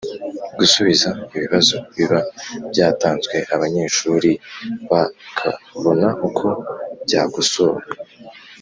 gusubiza ibibazo biba byatanzwe, abanyeshuri bakabona uko byakosowe